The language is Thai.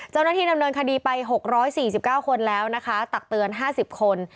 เจ้าหน้าที่ดำเนินคดีไป๖๔๙คนแล้วนะคะตักเตือน๕๐คน